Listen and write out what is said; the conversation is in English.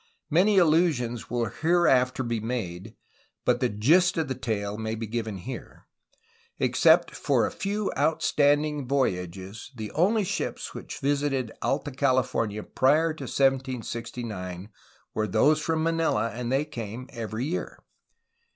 Many allusions will hereafter be made, but the gist of the tale may be given here. Except for a few outstanding voyages, the only ships which visited Alta California prior to 1769 were those from Manila, and they came every year.